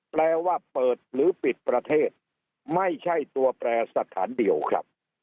แปลว่าเปิดหรือปิดประเทศไม่ใช่ตัวแปรสถานเดียวครับ